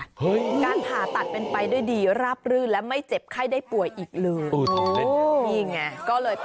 การผ่าตัดเป็นไปด้วยดีราบรื่นและไม่เจ็บไข้ได้ป่วยอีกเลย